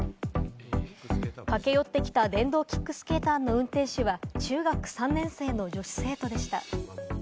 駆け寄ってきた電動キックスターターの運転手は中学３年生の女子生徒でした。